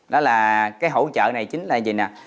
đó là cái hỗ trợ này chính là gì nè